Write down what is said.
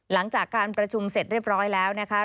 หลังจากการประชุมเสร็จเรียบร้อยแล้วนะคะ